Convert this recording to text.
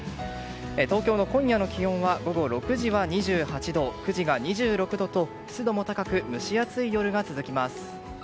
東京の今夜の気温は午後６時は２８度９時が２６度と湿度も高く蒸し暑い夜が続きます。